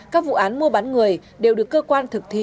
các vụ án mua bán người đều được cơ quan thực thi